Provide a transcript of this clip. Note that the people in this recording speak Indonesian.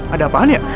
ada apaan ya